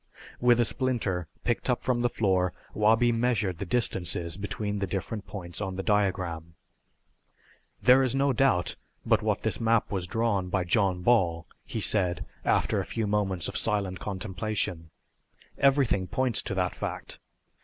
With a splinter picked up from the floor Wabi measured the distances between the different points on the diagram. "There is no doubt but what this map was drawn by John Ball," he said after a few moments of silent contemplation. "Everything points to that fact.